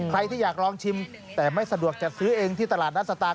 ใครที่อยากลองชิมแต่ไม่สะดวกจัดซื้อเองที่ตลาดนัดสตาร์